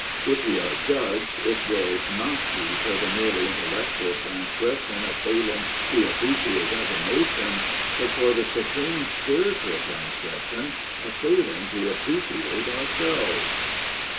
If we are judged, it will not be for the merely intellectual transgression of failing to appreciate other nations, but for the supreme spiritual transgression of failing to appreciate ourselves.'